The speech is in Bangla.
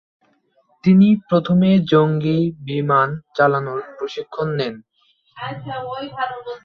তিনি প্রথমে জঙ্গি বিমান চালনার প্রশিক্ষণ নেন।